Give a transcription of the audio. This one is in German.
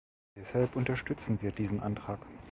Deshalb unterstützen wir diesen Antrag.